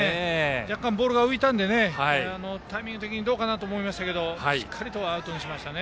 若干ボールが浮いたのでタイミング的にどうかなと思いましたけどしっかりとアウトにしました。